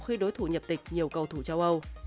khi đối thủ nhập tịch nhiều cầu thủ châu âu